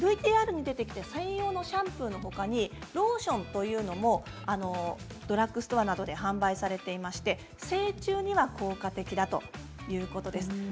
ＶＴＲに出てきた専用のシャンプーのほかにローションというのもドラッグストアなどで販売されていまして成虫には効果的だということです。